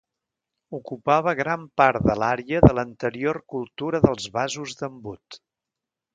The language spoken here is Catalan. Ocupava gran part de l'àrea de l'anterior cultura dels vasos d'embut.